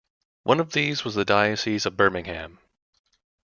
One of these was the diocese of Birmingham.